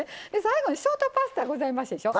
最後にショートパスタございますでしょ。